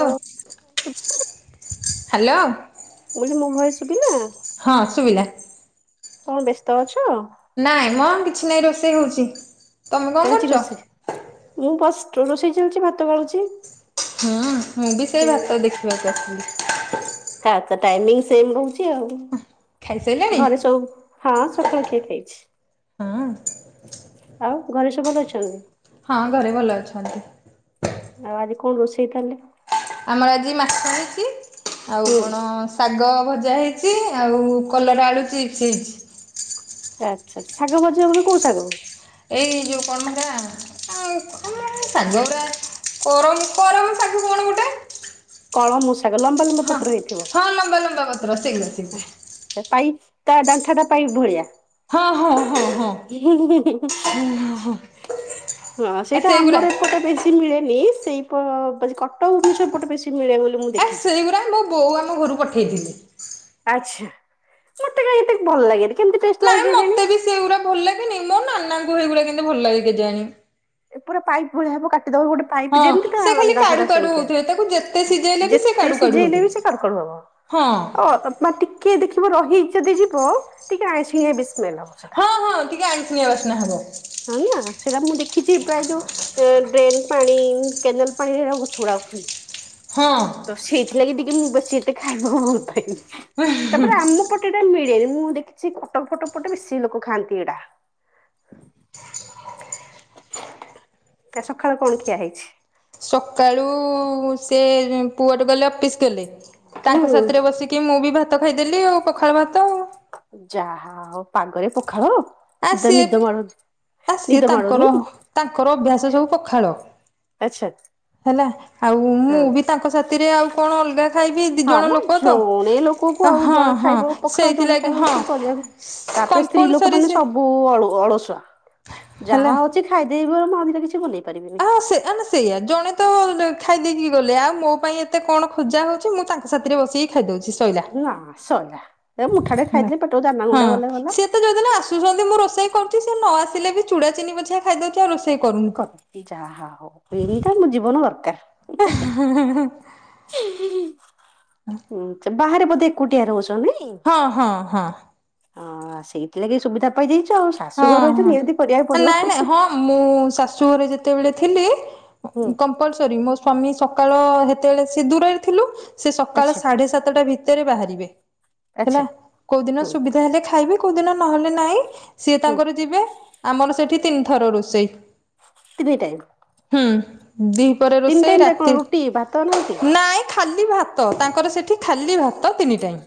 ଓ hello. ଓହୋ ମୋ ଭୟସେ୍ ଶୁଭିଲା? ହଁସୁବିଲା। କଣ ବ୍ୟସ୍ତ ଅଛ? ନାଇଁ ମ କିଛି ନାହିଁ ରୋଷେଇ ହେଉଚି। ଚାଲିଚି ରୋଷେଇ ମୁଁ ଫାଷ୍ଟ୍ ରୋଷେଇ ଚାଲିଚି ଭାତ ଗଳୁଚି। ହୁଁ ମୁଁ ବି ସେଇ ଭାତ ଦେଖିବାକୁ ଆସିଚି। ପ୍ରଏତ ଟାଇମିଙ୍ଗି ସେମେ ରହୁଚି ଆଉ ଖାଇସାଇଲଣି? ଘରେ ସବୁ ହଁ ସକାଳ କ୍ଷିଆ ଖାଇଛି। ହଁ। ଆଉ ଘରେ ସବୁ ଭଲ ଅଛନ୍ତି? ହଁ ଘରେ ଭଲ ଅଛନ୍ତି। ଆଉ ଆଜି କଣ ରୋଷେଇ ତାହେଲେ? ଆମର ଆଜି ମାଛ ହେଇଛି, ଆଉ ହୁଁ କଣ ଶାଗ ଭଜା ହେଇଛି ଆଉ କଲରା ଆଳୁ ଚିପ୍ସ ହେଇଛି। ଆଚ୍ଛା ଶାଗ ଭଜା ମାନେ କୋଉ ଶାଗ? ଏଇ ଯୋଉ କଣ ମ ହେଟା ଆଉ [unintelligible] କରମ କରମ ଶାଗ କଣ ଗୋଟେ? କଳମ ଶାଗ ଲ ହଁ ହଁ, ଲମ୍ବା ଲମ୍ବା ପତ୍ର ସେଇଗୁରା। ସେଇଗୁରା। ଆଚ୍ଛା ଆଚ୍ଛା ପାଇ ତା ଡାଣ୍ଠା ଟା ପାଇ ଭଳିଆ? [inaudible] ହଁ ହଁ ହଁ ହଁ ହଁ, ଆ ସେଇଟା ସେଇଗୁରା ଆମର ଏପଟେ ବେଶୀ ମିଳେନି। ସେଇ ପ କଟକ, ଭୁବନେଶ୍ୱର ପଟେ ବେଶୀ ମିଳେ ବୋଲି ମୁଁ ଦେଖିଛି। [unintelligible] ମୋ ବୋଉ ଆମ ଘରୁ ପଠେଇ ଥିଲେ। ଆଚ୍ଛା, ମତେ କାଇଁ ଏତେ ଭଲ ଲାଗେନି। କେମତି ଟେଷ୍ଟ ଲାଗେ ନାଇଁ କେଜାଣି? ମତେ ବି ସେଗୁଡା ଭଲ ଲାଗେନି, ମୋ ନାନାଙ୍କୁ ସେଗୁଡା କେନ୍ତି ଭଲ ଲାଗେ କେଜାଣି? ଏ ପୁରା ପାଇପ୍ ଭଳିଆ ହବ, କାଟିଦବ ଗୋଟେ ପାଇପ ହଁ ଯେମତି ତା ସେ ଖାଲି କାଡୁ ଡାଣ୍ଠାଟା କାଡୁ ସେମିତିଆ। ହଉଥିବେ ତାକୁ ଯେତେ ସିଝେଇଲେ ବି ସେ ଯେତେ କାଡୁ କାଡୁ ସିଝେଇଲେ ହଉଥିବେ। ବି ସେ କାଡୁକାଡୁ ହବ। ହଁ ଅ ମା ଟିକେ ଦେଖିବ ରହି ଯଦି ଯିବ ଟିକେ ଆଇଁଷିଣିଆ ବି ସ୍ମେଲ ହବ ସେଇଟା। ହଁ ହଁ, ଟିକେ ଆଇଁଷିଣିଆ ବାସ୍ନା ହବ। [unintelligible] ସେଇଟା ମୁଁ ଦେଖିଛି ପ୍ରାୟ ଯୋଉ ଡ୍ରେନ ପାଣି, କେନଲ ପାଣିରେ ହେଉରା ଗଛ ଗୁଡ଼ା ହୁଏ। ହଁ। ତ ସେଇଥିଲାଗି ଟିକେ ମୁଁ ବେଶୀ ଏତେ ଖାଇବାକୁ ଭଲ ପାଏନି। ତାପରେ ଆମ ପଟ ଏତେ ଟା ମିଳେ ନି। ମୁଁ ଦେଖିଛି କଟକ-ଫଟକ ପଟେ ବେଶୀ ଲୋକ ଖାଆନ୍ତି ଏଇଟା। ଆ ସକାଳ କଣ ଖିଆ ହେଇଛି? ସକାଳୁ ସେ [unintelligible] ଗଲେ ଅଫିସ ଗଲେ। ତାଙ୍କ ହୁଁ। ସାଥିରେ ବସିକି କି ମୁଁ ବି ଭାତ ଖାଇଦେଲି ଆଉ ପଖାଳ ଭାତ ଆଉ। ଯାହା ହଉ ପାଗରେ ପଖାଳ? ଆ ନିଦ ସିଏ ନିଦ ମାଡୁ ଆ ସିଏ ନିଦ ମାଡୁନି? ତାଙ୍କର ତାଙ୍କର ଅଭ୍ୟାସ ସବୁ ପଖାଳ। ଆଚ୍ଛା ହେଲା? ଆଉ ମୁଁ ହଁ। ବି ତାଙ୍କ ସାଥିରେ ଆଉ କଣ ଅଲଗା ଖାଇବି ଦି ହଁ ଜଣ ମ ଲୋକ ତ। ଜଣେ ଲୋକକୁ ଆଉ ହଁ ଜଣେ ହଁ ଖାଇବ ପଖାଳ, ଜଣେ ସେଇଥିଲାଗି ଖାଇବ ହଁ ରୁଟି କରିବାକୁ ତାପରେ ସ୍ତ୍ରୀ ଲୋକ କମ୍ପଲସରି ମାନେ ସେ ସବୁ ଅଳ-ଅଳସୁଆ। ହେଲା। ଯାହା ଅଛି ଖାଇଦେବି ବରଂ ଅମ୍ବିକା କିଛି ବନେଇ ପାରିବିନି। ହଁ ସେ ମାନେ ସେଇଆ। ଜଣେ ତ ଖାଇଦେଇକି ଗଲେ ଆଉ ମୋ ପାଇଁ ଏତେ କଣ ଖୋଜା ହଉଛି, ମୁଁ ତାଙ୍କ ସାଥିରେ ବସିକି ଖାଇ ଦଉଛି ସଇଲା। ନା ସଇଲା ଏ ମୁଠା ଟେ ହେଲା ଖାଇଦେଲେ ପେଟକୁ ଦାନା ହଁ। ଗୁଣ୍ଡେ ଗଲେ ଗଲା। ସିଏ ତ [unintelligible] ମୁଁ ରୋଷେଇ କରୁଛି। ସେ ନ ଆସିଲେ ବି ଚୂଡ଼ା ଚିନି ପଛିିକା ଖାଇ ଦଉଛି, ଆଉ ରୋଷେଇ କରୁନି। ଯାହା ହଉ [unintelligible] ମୋ ଜୀବନ ଦରକାର। [inaudible] ବାହାରେ ବୋଧେ ଏକୁଟିଆ ରହୁଛ ନାଇଁ? ହଁ ହଁ ହଁ। ହଁ, ସେଇଥିଲାଗି ସୁବିଧା ପାଇ ଯାଇଛ ଆଉ। ହଁ ଶାଶୁ ଘର ହେଇଥିଲେ ନିହାତି କରିବାକୁ ହଁ ନାଇଁ ପଡ଼ିବ। ନାଇଁ ହଁ ମୁଁ ଶାଶୁ ଘରେ ଯେତେବେଳେ ଥିଲି ହୁଁ। କରି ସରି ମୋ ସ୍ଵାମୀ ସକାଳ ହେତେବେଳେ ସେ ଦୂରରେ ଥିଲୁ ସେ ସକାଳ ଆଚ୍ଛା ସାଢେ ସାତଟା ଭିତରେ ବାହାରିବେ ହେଲା। ଆଚ୍ଛା କୋଉ ଦିନ ହୁଁ ସୁବିଧା ହେଲେ ଖାଇବେ କୋଉ ଦିନ ନହେଲେ ନହିଁ ସିଏ ହୁଁ ତାଙ୍କର ଯିବେ ଆମର ସେଠି ତିନିଥର ରୋଷେଇ ତିନି ଟାଇମ୍? ହୁଁ ଦି ପରେ ରୋଷେଇ ଯାକ କଣ ରାତି ରୁଟି ଭାତ ନା ରୁଟି? ନାଇଁ ଖାଲି ଭାତ ତାଙ୍କର ସେଇଠି ଖାଲି ଭାତ ତିନି ଟାଇମ୍।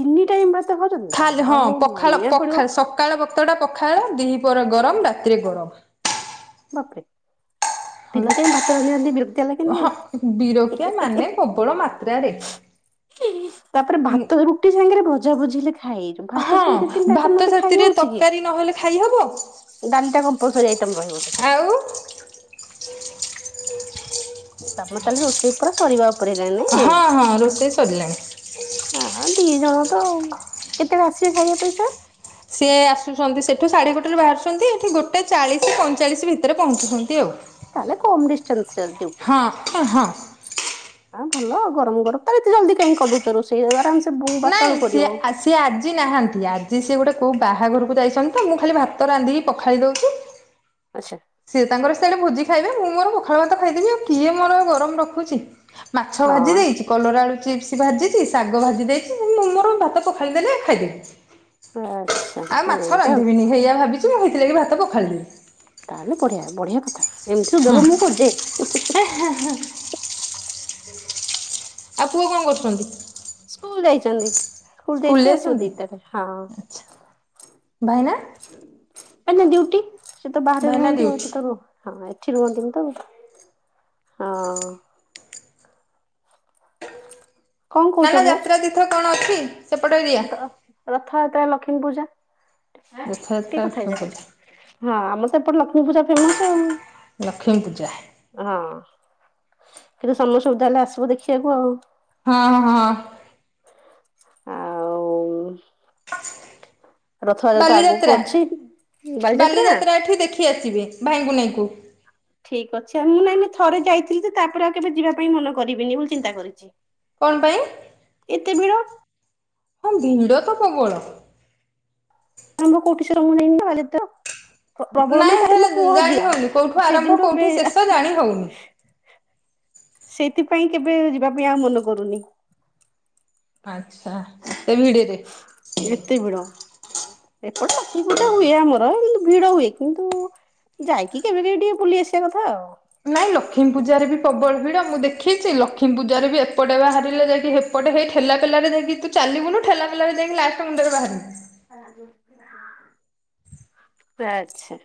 ତିନି ଟାଇମ ଭାତ ଖାଉଚନ୍ତି ଖାଲି ହଁ ଯାହା ହଉ ପଖାଳ ମାନିବାକୁ ପଖାଳ ପଡିବ। ସକାଳ ବକ୍ତଟା ପଖାଳ ଦି ପରେ ଗରମ ରାତିରେ ଗରମ। ବାପରେ। ତିନି ଟାଇମ ଭାତ ରାନ୍ଧି ରାନ୍ଧି ବିରକ୍ତିଆ ହେଲା ଲାଗେନି ଆଉ। ହଁ ବିରକିଆ ମାନେ ପ୍ରବଳ ମାତ୍ରାରେ। ତାପରେ ଭାତ ରୁଟି ସାଙ୍ଗରେ ଭଜା ଭଜି ହେଲେ ଖାଇହେ ଭାତ ହଁ ସାଙ୍ଗେ ଦି ତିନଟା ଭାତ ଆଇଟମ ନହେଲେ ଖାଇ ସାଥିରେ ହଉଚି କି? ତରକାରୀ ନହେଲେ ଖାଇହବ ଡାଲିଟା କମ୍ପଲସରି ଆଇଟମ ରହିବ ସେଥିରେ। ଆଉ ତମେ ତାହେଲେ ରୋଷେଇ ପୁରା ସରିବାଉପରେ ହେଲାଣି ନାଇଁ? ହଁ ହଁ ରୋଷେଇ ସରିଲାଣି। ହ ଦି ଜଣ ତ। କେତେଳେ ଆସିବେ ଖାଇବା ପାଇଁ ସାର୍? ସିଏ ଆସୁଛନ୍ତି ସେଠୁ ସାଢେ ଗୋଟେରେ ବାହାରୁଚନ୍ତି ଏଠି ଗୋଟେ ଚାଳିଶ ପଇଁଚାଳିଶ ଭିତରେ ପହଞ୍ଚୁଚନ୍ତି ଆଉ। ତାହଲେ କମ୍ ଡିସଷ୍ଟନ୍ସରେ ଡିଉଟି। ହଁ ହଁ। ହଁ ଭଲ ଗରମ ଗରମ ତ ଏତେ ଜଲଦି କାହିଁକି କରିଦଉଚ ରୋଷେଇ ଆରାମ ସେ ବଟା ନାଇଁ ବଳୁ ସିଏ କରିବ। ସିଏ ଆଜି ନାହାଁନ୍ତି ଆଜି ସିଏ ଗୋଟେ କେଉଁ ବାହାଘରକୁ ଯାଇଚନ୍ତି ତ ମୁଁ ଖାଲି ଭାତ ରାନ୍ଧିକି ପଖାଳି ଦେଉଚି ଆଛା। ସିଏ ତାଙ୍କର ସିଆଡେ ଭୋଜି ଖାଇବେ ମୁଁ ମୋର ପୋଖାଳ ଭାତ ଖାଇଦବି ଆଉ କିଏ ମୋର ଗରମ ରଖୁଚି। ମାଛ ହଁ ଭାଜି ଦେଇଚି କଲରା ଆଳୁ ଚିପ୍ସ ଭାଜିଚି ଶାଗ ଭାଜି ଦେଇଚି ମୁଁ ମୋର ଭାତ ପଖାଳି ଦେଲେ ଖାଇଦେବି। ଆଚ୍ଛା ଆଉ ମାଛ ଏମିତି ଆଉ। ରାନ୍ଧିବିନି ହେଇଆ ଭାବିଚି ମୁଁ ହେଇଥିଲାଗି ଭାତ ପଖାଳି ଦେନି। ତାହେଲେ ବଢିଆ ବଢିଆ କଥା ଏମିତି ହୁଁ। ସୁଯୋଗ ମୁଁ ଖୋଜେ। [unintelligible] [unintelligible] ଆଉ ପୁଅ କଣ କରୁଚନ୍ତି? ସ୍କୁଲ ଯାଇଚନ୍ତି ସ୍କୁଲ ଯାଇଚି ଆସିବ ଦିଟାରେ ହଁ। ଆଚ୍ଛା ଭାଇନା ଏଇନା ଡିଉଟି ସେ ତ ବାହାରେ ଭାଇନା ରୁହନ୍ତି ଆଉ ଡ୍ୟୁଟି। ଏଠି ତ ରୁହ ହଁ ଏଠି ରୁହନ୍ତିନି ତ ହଁ। କଣ ନା କହୁଛ ନା ବୋଉ? ଯାତ୍ରା ତୀର୍ଥ କଣ ଅଛି ସେପଟ ଏ ରଥଯାତ୍ରା ଲକ୍ଷ୍ମୀ ପୂଜା ରଥଯାତ୍ରା ଲକ୍ଷ୍ମୀ ପୂଜା ହଁ ଆମର ତ ଏପଟେ ଲକ୍ଷ୍ମୀ ପୂଜା ଫେମସ ଆଉ। ଲକ୍ଷ୍ମୀ ପୂଜା? ହଁ। କେବେ ସମୟ ସୁବିଧା ହେଲେ ଆସିବ ଦେଖିବାକୁ ଆଉ। ହଁ ହଁ। ଆଉ ରଥଯାତ୍ରା ତ ଆଗକୁ ବାଲିଯାତ୍ରା ଅଛି ବାଲିଯାତ୍ରା ଏଠି ଦେଖି ଆସିବି ଭାଇଙ୍କୁ ନେଇକୁ। ଠିକ୍ ଅଛି ଆଉ ମୁଁ ନାଇଁ ମୁଁ ଥରେ ଯାଇଥିଲି ଯେ ତାପରେ ଆଉ କେବେ ଯିବା ପାଇଁ ମନ କରିବିନି ମୁଁ ଚିନ୍ତା କରିଚି। କଣ ପାଇଁ? ଏତେ ଭିଡ଼। ହଁ ଭିଡ଼ ତ ପବଳ। ଆମ [unintelligible] ନାଇଁ ସେଟା ଜାଣି ହଉନି ଆଉ କୋଉଠୁ ଆରମ୍ଭ ସେଦିନଠୁ କେବେ କୋଉଠି ଶେଷ ଜାଣି ହଉନି। [inaudible] ସେଇଥିପାଇଁ କେବେ ଯିବା ପାଇଁ ଆଉ ମନ କରୁନି। ଆଛା ଏ ଭିଡେ ଦେ ଏତେ ଭିଡ଼ ଏପଟେ ଲକ୍ଷ୍ମୀ ପୂଜା ହୁଏ ଆମର। ଭିଡ ହୁଏ କିନ୍ତୁ ଯାଇକି କେବେ କେବେ ଟିକେ ବୁଲି ଆସିବା କଥା ଆଉ। ନାଇଁ ଲକ୍ଷ୍ମୀ ପୂଜାରେ ବି ପ୍ରବଳ ଭିଡ଼। ମୁଁ ଦେଖିଛି ଲକ୍ଷ୍ମୀ ପୂଜାରେ ବି ଏପଟେ ବାହାରିଲେ ଯାଇକି ହେ ସେପଟେ ହେ ଠେଲା ପେଲା ଯାଇକି ତୁ ଚାଲିବୁନୁ ଠେଲା ପେଲାରେ ଯାଇକି ଲାଷ୍ଟ ମୁଣ୍ଡରେ ବାହାରିବୁ। ଆଛା।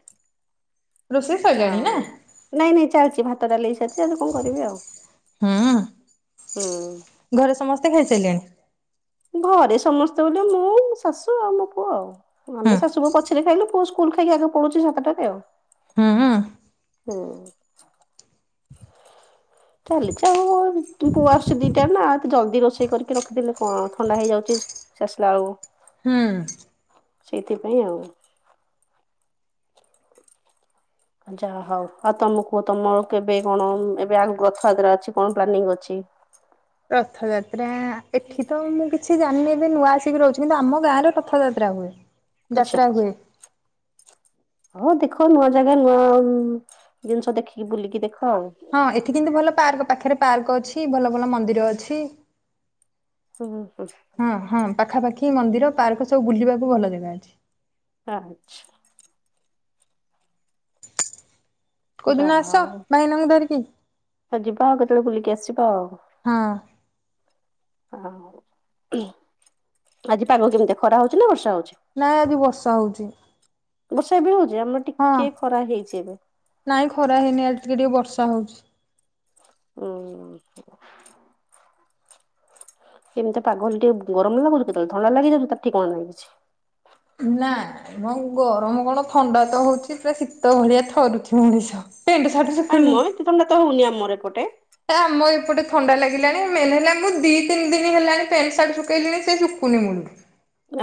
ରୋଷେଇ ସଇଲାଣି ନା? ନାଇଁ ନାଇଁ ଚାଲିଛି ଭାତ ଡାଲି ହୋଇସାରିଛି ଏବେ କଣ କରିବି ଆଉ। ହୁଁ ହୁଁ। ଘରେ ସମସ୍ତେ ଖାଇସାରିଲେଣି। ଘରେ ସମସ୍ତେ ବୋଲି ମୁଁ ଶାଶୁ ଆଉ ମୋ ପୁଅ ଆଉ। ଆମେ ଶାଶୁବୋହୂ ପଛରେ ଖାଇଲୁ ପୁଅ ସ୍କୁଲ ଖାଇକି ଆଗେ ପଳାଉଛି ସାତଟାରେ ଆଉ। ହଁ ହଁ। ହଁ। ଚାଲିଛି ଆଉ ପୁଅ ଆସୁଛି ଦି ଟାରେ ନା ଜଲ୍ଦି ରୋଷେଇ କରିକି ରଖିଦେଲେ କଣ ଥଣ୍ଡା ହେଇଯାଉଛି। ସେ ଆସିଲା ହୁଁ। ବେଳକୁ ସେଇଥିପାଇଁ ଆଉ। ଯାହା ହଉ ଆଉ ତମକୁ ତମ କେବେ କଣ ଏବେ ଆଉ ରଥଯାତ୍ରା ଅଛି କଣ ପ୍ଲାନିଂ ଅଛି? ରଥଯାତ୍ରା ଏଠି ତ ମୁଁ କିଛି ଜାଣିନି ଏବେ ନୂଆ ଆସିକି ରହୁଛି କିନ୍ତୁ ଆମ ଗାଁ ରେ ରଥ ଯାତ୍ରା ହୁଏ ଆଚ୍ଛା ଯାତ୍ରା ହୁଏ। ହଉ ଦେଖ ନୂଆ ଜାଗା ନୂଆ ଜିନିଷ ଦେଖିକି ବୁଲିକି ଦେଖ ଆଉ। ହଁ ଏଠି କିନ୍ତୁ ଭଲ ପାର୍କ ପାଖରେ ପାର୍କ ଅଛି ଭଲ ଭଲ ମନ୍ଦିର ଅଛି। ହୁଁ ହୁଁ। ହଁ ହଁ ପାଖାପାଖି ମନ୍ଦିର ପାର୍କ ସବୁ ବୁଲିବାକୁ ଭଲ ଜାଗା ଅଛି। ଆଛା। କୋଉଦିନ ଯାହା ଆସ ହଉ ଭାଇନାଙ୍କୁ ଧରିକି। ଯିବା ଆଉ କେତେବେଳେ ବୁଲିକି ଆସିବା ଆଉ। ହଁ। ଆଜି ପାଗ କେମିତି ଖରା ହଉଛି ନା ବର୍ଷା ହଉଛି? ନାଇଁ ଆଜି ବର୍ଷା ହଉଛି। ବର୍ଷା ଏବେ ହଉଛି ଆମର ହଁ ଟିକେ ଖରା ହେଇଛି ଏବେ। ନାଇଁ ଖରା ହେଇନି ଇଆଡ଼େ। ଟିକେ ଟିକେ ବର୍ଷା ହଉଛି। ହୁଁ। ଏମିତିଆ ପାଗ ହେଲେ ଟିକେ ଗରମ ଲାଗୁଛି କେତେବେଳେ ଥଣ୍ଡା ଲାଗିଯାଉଛି ତାର ଠିକଣା ନାହିଁ କିଛି। ନା ଗରମ କଣ ଥଣ୍ଡା ତ ହଉଛି ପୁରା ଶୀତ ଭଳିଆ ଥରୁଛି ମଣିଷ। ପେଣ୍ଟ ସାର୍ଟ କାଇଁ ଶୁଖୁନି। ମ ଏତେ ଥଣ୍ଡା ତ ହଉନି ଆମର ଏପଟେ। ଆମର ଏପଟେ ଥଣ୍ଡା ଲାଗିଲାଣି ମେନ୍ ହେଲା ମୁଁ ଦି ତିନି ଦିନ ହେଲାଣି ପ୍ୟାଣ୍ଟ ସାର୍ଟ ଶୁଖେଇଲିଣି ସେ ଶୁଖୁନି ମୁଳୁରୁ।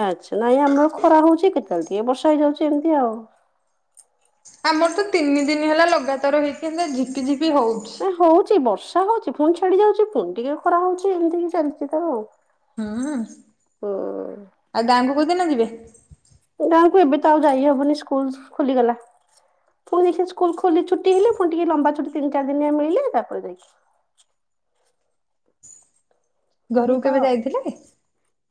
ଆଚ୍ଛା ନାଇଁ ଆମର ଖରା ହଉଛି କେତେବେଳେ ଟିକେ ବର୍ଷା ହେଇଯାଉଛି ଏମିତି ଆଉ। ଆମର ତ ତିନି ଦିନ ହେଲା ଲଗାତାର ହେଇକି ଝିପି ଝିପି ହୋଉଛି। ନା ହଉଛି ବର୍ଷା ହଉଛି ପୁଣି ଛାଡି ଯାଉଛି ପୁଣି ଟିକେ ଖରା ହଉଛି ଏମିତି କି ଚାଲିଛି ତ ଆଉ। ହୁଁ ହୁଁ ଆଉ ଗାଁକୁ କୋଉଦିନ ଯିବେ? ଗାଁକୁ ଏବେ ତ ଆଉ ଯାଇ ହବନି ସ୍କୁଲ ଖୋଲିଗଲା। ପୁଣି ଯାଇ ସେ ସ୍କୁଲ ଖୋଲି ଛୁଟି ହେଲେ ଫୁଣି ଟିକେ ଲମ୍ବା ଛୁଟି ତିନ ଚାରି ଦିନିଆ ମିଳିଲେ ତାପରେ ଯାଇକି। ଘରକୁ ଏଇତ କେବେ ଯାଇଥିଲେ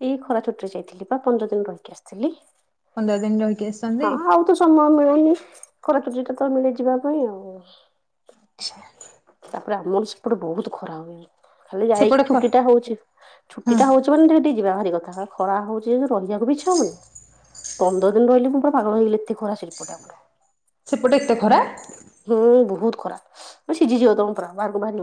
ଏଇ ଖରା ଛୁଟିରେ ଯାଇଥିଲି ବା ପନ୍ଦର ଦିନ ରହିକି ଆସିଥିଲି। ପନ୍ଦର ଦିନ ରହିକି ଆସିଛନ୍ତି? ହଁ ଆଉ ତ ସମୟ ମିଳେନି ଖରାଛୁଟି ଟା ତ ମିଳେ ଯିବା ପାଇଁ ଆଉ। ଆଚ୍ଛା। ତାପରେ ଆମର ସେପଟେ ବୋହୁତ ଖରା ହୁଏ ଖାଲି ସେପଟେ ଯାଇକି ଖ ଛୁଟିଟା ହୋଉଚି। ଛୁଟି ହଁ ଟା ହୋଉଚି ମାନେ ଟିକେ ଯିବା ଭାରି କଥା ଖରା ହୋଉଚି ରହିବାକୁ ଇଛା ହୋଉନି। ପନ୍ଦର ଦିନ ରହିଲି ମୁଁ ପୁରା ପାଗଳ ହେଇଗଲି ଏତେ ଖରା ସେପଟେ ଆମର। ସେପଟେ ଏତେ ଖରା? ହୁଁ ବୋଉତ୍ ଖରା ସିଝିଯିବ ତମେ ପୁରା ବାହାରକୁ ବାହାରି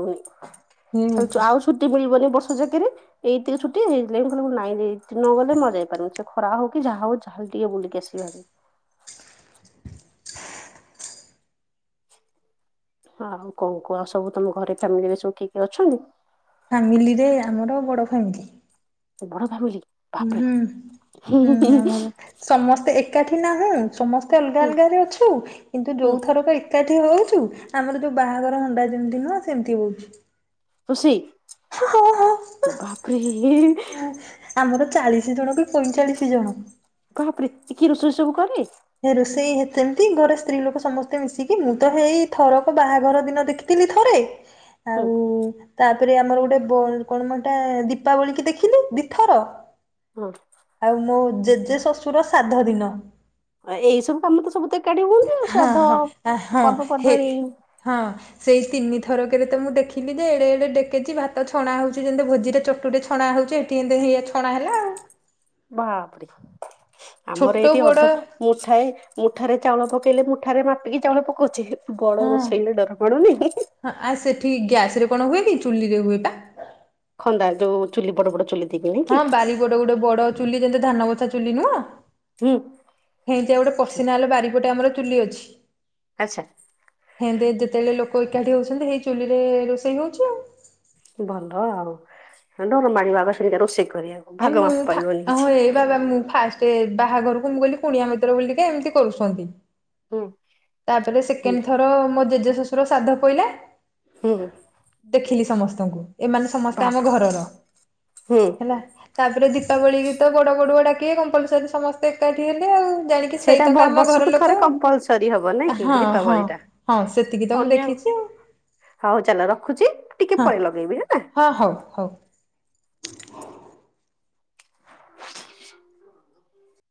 ହୁଁ। ହୋଉନି ଆଉ। ଛୁଟି ମିଳିବନି ବର୍ଷ ଜାଙ୍କରେ। ଏଇତିକିରେ ଛୁଟି ହେଇଥି ଲାଗି କଁ ନାଇଁ ହେଥିତିଲାଗୀ ଯାଇପାରିବିନି ସେ ଖରା ହୋଉ କି ଯାହା ହୋଉାହାେ ଟିକେ ବୁିକି ଆସିିଭାର। ଆଉ କଣ କୁହ ଆଉ ସବୁ ତମ ଘରେ ଫ୍ୟାମିଲିରେ ସବୁ କିଏ କିଏ ଅଛନ୍ତି? ଫାମିଲିରେ ଆମର ବଡ ଫାମିଲି। ବଡ ଫାମିଲି ହୁଁ ବାପରେ। ଆମର ସମସ୍ତେ ଏକାଠି ନାହୁଁ ସମସ୍ତେ ଅଲଗା ହୁଁ ଅଲଗାରେ ଅଛୁ କିନ୍ତୁ ହୁଁ ଯୋଉ ଥରକ ଏକାଠି ହୋଉଚୁ ଆମର ଯୋଉ ବାହାଘର ହଣ୍ଡା ଯେମିତି ନୁହଁ ସେମିତି ହୋଉଚି। ଖୁସି ହଁ ବାପରେ ଆମର ଚାଳିଶି ଜଣ କି ପଇଁଚାଳିଶି ଜଣ। ବାପରେ ଏତିକି ରୋଷେଇ ସବୁ କିଏ କରେ? ହେ ରୋଷେଇ ସେମିତି ଘରେ ସ୍ତ୍ରୀ ଲୋକ ସମସ୍ତେ ମିଶିକି ମୁଁ ତ ହେଇ ଥରକ ବାହାଘର ଦିନ ଦେଖିଥିଲି ଥରେ। ହ ହଁ। ହଁ। ତାପରେ ଆମର ଗୋଟେ ବ କଣ ମଏଟା ଦୀପାବଳି କି ଦେଖିଲି ଦିଇଥର। ହଁ। ଆଉ ମୋ ଜେଜେ ଶ୍ୱଶୁର ସାଧ ଦିନ। ଏଇ ସବୁ କାମ ତ ସବୁ ତ ଏକାଠି ହୁଅନ୍ତି ଆଉ ହଁ ହଁ ଆ, ଶଵାଦ୍ଧ ହଁ ହେ ପର୍ବପର୍ବାଣୀ। ହଁ। ସେଇ ତିନି ଥରକରେ ତ ମୁଁ ଦେଖିଲି ଯେ ଏଡେ ଏଡେ ଡକଚି ଭାତ ଛଣା ହୋଉ ଚିଯେ ଭୋଜିରେ ଚଟୁରେ ଛଣା ହେଉଚି ଏଠି ଇଏ ଛଣା ହେଲା ଆଉ। ବାପରେ ଆମର ଛୋଟ ଏଇଠି ବଡ ଅଧକା ମୁଠାଏ ମୁଠାରେ ଚାଉଳ ପକେଇଲେ ମୁଠାରେ ମାପିକି ଚାଉଳ ପକଉଚି। ବଡ ହଁ ରୋଷେଇଲେ ଡର ମାଡୁନି? ଆ ସେଠି ଗ୍ୟାସରେ କଣ ହୁଏ କିି ଚୁଲିରେ ହୁଏ ବା। ଖନ୍ଦା ଯୋଉ ଚୁଲି ବଡ ବଡ ଚୁଲି। ଦେଇକି ନାଇଁ ହଁ କି ବାରି ଗୋଟେ ଗୋଟେ ବଡ ଚୁଲି ଯେନ୍ତେ ଧାନ ବସା ଚୁଲି ନୁଉଁ। ହୁଁ ହେଇନ୍ତିଆ ଗୋଟେ ପର୍ଶନାଲ୍ ବାରିପଟେ ଆମର ଚୁଲି ଅଛି। ଆଛା। ହେନ୍ତି ଯେତେତେବେଳେ ଲୋକ ଏକାଠି ହଉଚନ୍ତି ସେଇ ଚୁଲିରେ ରୋଷେଇ ହଉଛି ଆଉ। ଭଲ ଆଉ ହଁ ଡର ମାଡିବ ଆଗ ସେନ୍ତିଆ ରୋଷେଇ କରିଆ ଏ ମୁଁ ଥାକ୍ ଆହା ଇଏ ବାବା ମୁଁ ଫାଷ୍ଟ ବାହାଘରକୁ ମୁଁ କହିଲି କୁଣିଆ ମିତ୍ର ବୋଲି କେ ଏମତି କରୁଚନ୍ତି। ଓ। ତାପରେ ସେକେଣ୍ଡ ଥର ମୋ ଜେଜେ ଶଶୁର ସାଧ ପଇଲା ହୁଁ। ଦେଖିଲି ସମସ୍ତଙ୍କୁ ଏମାନେ ସମସ୍ତେ ଭାବ ଆମ ଘରର ହୁଁ ହେଲା। ତାପରେ ଦୀପାବଳି ଗୀତ ବଡ ବାଡୁଆ ଡାକେ କମ୍ପଲସରୀ ସମସ୍ତେ ଏକାଠି ହେବେ ଆଉ। ଜାଣିକି ସେଇଟା ବ ସେଇତକ ଆମ ବର୍ଷକୁ ଘର ଥରେ ଲୋକ। କମ୍ପଲସରୀ ହବ ନାଇଁ ଆ କି ହଁ ହଁ ଦୀପାବଳି ଟା ହଁ ସେତିକି ତ ମୁଁ ଅନ୍ୟ ଦେଖିଚି ଆଉ। ହଉ ଚାଲ ରଖୁଚି, ଟିକେ ହଁ ପରେ ଲଗେଇବି ହେଲା। ହଁ, ହଉ, ହଉ।